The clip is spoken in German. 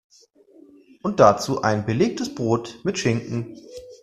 Und dazu ein belegtes Brot mit Schinken.